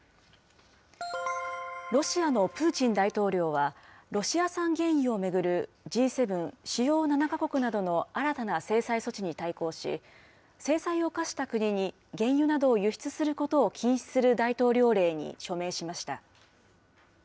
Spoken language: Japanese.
ロシアのプーチン大統領は、ロシア産原油を巡るＧ７・主要７か国などの新たな制裁措置に対抗し、制裁を科した国に原油などを輸出することを禁止する大統領令に署名しました。